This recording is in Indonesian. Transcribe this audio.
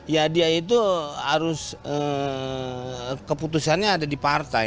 ya dia itu harus keputusannya ada di partai